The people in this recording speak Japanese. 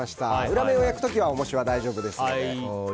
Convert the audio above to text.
裏面を焼く時はおもしは大丈夫ですので。